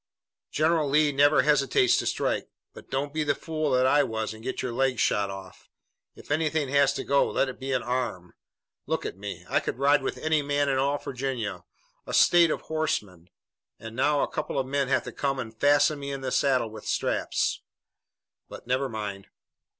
"General Lee never hesitates to strike. But don't be the fool that I was and get your leg shot off. If anything has to go, let it be an arm. Look at me. I could ride with any man in all Virginia, a state of horsemen, and now a couple of men have to come and fasten me in the saddle with straps. But never mind."